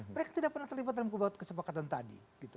mereka tidak pernah terlibat dalam kesepakatan tadi